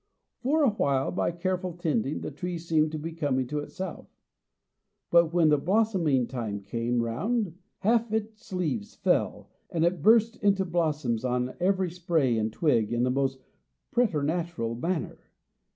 For a while, by careful tending, the tree seemed to be coming to itself; but, when the blossoming time came round, half its leaves fell, and it burst into blossoms on every spray and twig in the most preternatural manner.